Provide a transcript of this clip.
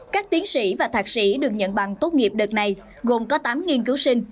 các tiến sĩ và thạc sĩ được nhận bằng tốt nghiệp đợt này gồm có tám nghiên cứu sinh